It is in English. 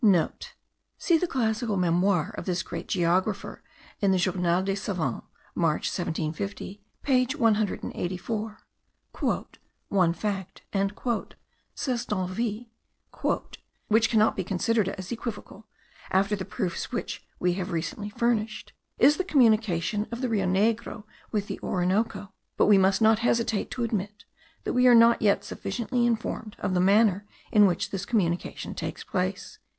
(* See the classical memoir of this great geographer in the Journal des Savans, March 1750 page 184. "One fact," says D'Anville, "which cannot be considered as equivocal, after the proofs with which we have been recently furnished, is the communication of the Rio Negro with the Orinoco; but we must not hesitate to admit, that we are not yet sufficiently informed of the manner in which this communication takes place."